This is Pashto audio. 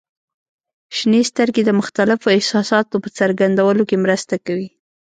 • شنې سترګې د مختلفو احساساتو په څرګندولو کې مرسته کوي.